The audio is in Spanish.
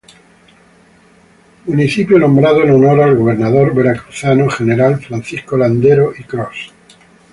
Municipio nombrado en honor al gobernador veracruzano Gral.Francisco Landero y Coss.